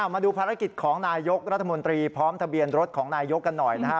มาดูภารกิจของนายกรัฐมนตรีพร้อมทะเบียนรถของนายยกกันหน่อยนะฮะ